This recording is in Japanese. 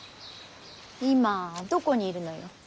今どこにいるのよ。